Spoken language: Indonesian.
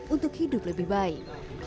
untuk hidup lebih baik